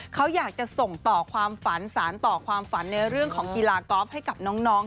เขาอยากจะส่งต่อความฝันสารต่อความฝันในเรื่องของกีฬากอล์ฟให้กับน้อง